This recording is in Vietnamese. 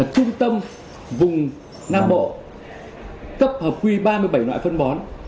trung tâm vùng nam bộ cấp hợp quy ba mươi bảy loại phân bón